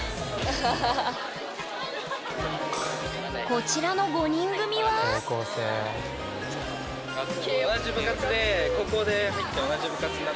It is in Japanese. こちらの５人組は家族。